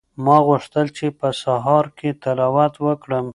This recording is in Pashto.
ما غوښتل چې په سهار کې تلاوت وکړم.